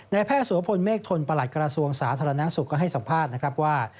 แพทย์สวพลเมฆทนประหลัดกระทรวงสาธารณสุขก็ให้สัมภาษณ์นะครับว่า